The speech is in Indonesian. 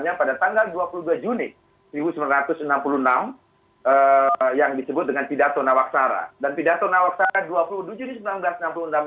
yang mengangkat bung karno sebagai pahlawan nasional